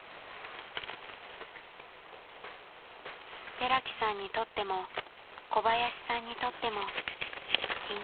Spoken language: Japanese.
［寺木さんにとっても小林さんにとっても緊張の瞬間です］